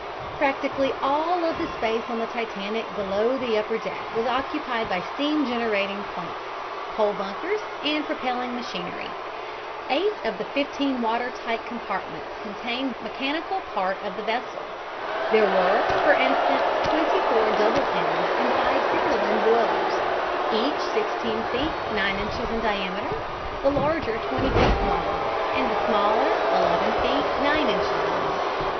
Practically all of the space on the Titanic below the upper deck was occupied by steam generating plant, coal bunkers and propelling machinery. Eight of the fifteen water tight compartments contained the mechanical part of the vessel. There were, for instance, twenty four double end and five single end boilers, each 16 feet 9 inches in diameter, the larger 20 feet long and the smaller 11 feet 9 inches long.